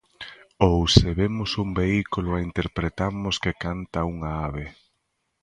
Ou se vemos un vehículo e interpretamos que canta unha ave.